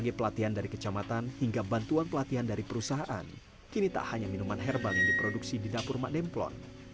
sebagai pelatihan dari kecamatan hingga bantuan pelatihan dari perusahaan kini tak hanya minuman herbal yang diproduksi di dapur mak demplon